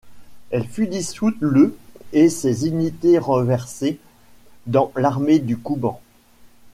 Elle fut dissoute le et ses unités reversées dans l’armée du Kouban.